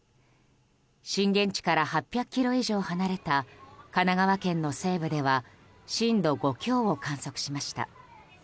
震源地から８００ｋｍ以上離れた神奈川県の西部では震度５強を観測しました。